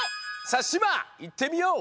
さあしまいってみよう。